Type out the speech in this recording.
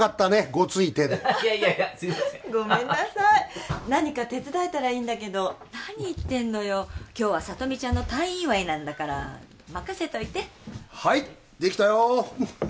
ごつい手でいやいやいやすみませんごめんなさい何か手伝えたらいいんだけど何言ってんのよ今日は聡美ちゃんの退院祝いなんだから任せといてはいできたよハハッ